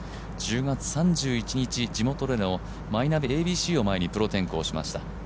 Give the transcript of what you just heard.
１０月３１日、地元でのマイナビＡＢＣを前にプロ転向しました。